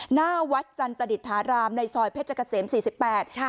หน้าวัดจันประดิษฐารามในซอยเพชรเกษมสี่สิบแปดค่ะ